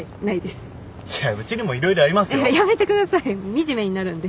惨めになるんで。